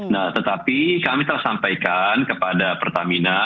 nah tetapi kami telah sampaikan kepada pertamina